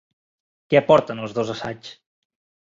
Què aporten els dos assaigs?